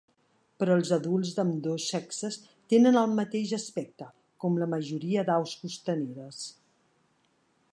Però els adults d'ambdós sexes tenen el mateix aspecte, com la majoria d'aus costaneres.